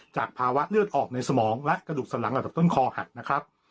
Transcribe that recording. จากภาวะเลือดออบในสมองและกระดูกสลังออกจากต้นคอหัดนะครับ